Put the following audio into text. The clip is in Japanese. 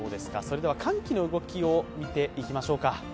寒気の動きを見ていきましょうか。